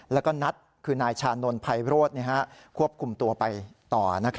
แล้วก็นัดคือนายชานนท์ไพโรธควบคุมตัวไปต่อ